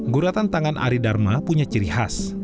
guratan tangan arie darmalah punya ciri khas